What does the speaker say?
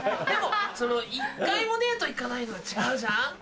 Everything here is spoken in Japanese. でも一回もデート行かないのは違うじゃん？